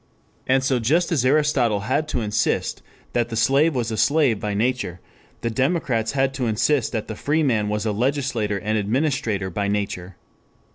And so just as Aristotle had to insist that the slave was a slave by nature, the democrats had to insist that the free man was a legislator and administrator by nature.